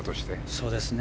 そうですね。